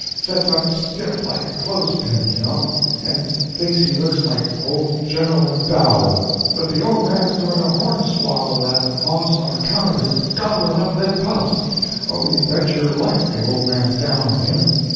—sets up stiff like a close pin, you know, and thinks he looks like old General Macdowl. But the old man's a going to hornisswoggle that hoss on account of his goblin up them pups. Oh, you bet your life the old man's down on him.